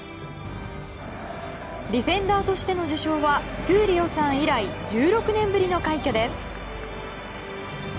ディフェンダーとしての受賞は闘莉王さん以来１６年ぶりの快挙です。